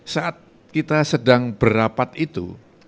saat kita sedang berapat itu